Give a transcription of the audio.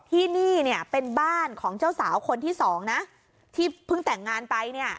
ที่นี่เนี่ยเป็นบ้านของเจ้าสาวคนที่สองนะที่เพิ่งแต่งงานไปเนี่ย